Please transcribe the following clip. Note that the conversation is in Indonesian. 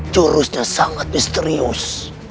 curusnya sangat misterius